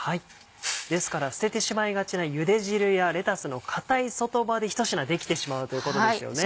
ですから捨ててしまいがちなゆで汁やレタスの硬い外葉で一品できてしまうということですよね。